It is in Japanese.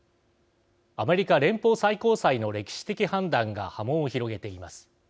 アメリカ連邦最高裁の歴史的判断が波紋を広げています。